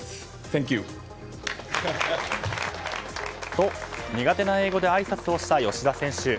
と、苦手な英語であいさつをした吉田選手。